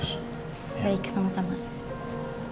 saya harap kita berbaik sama sama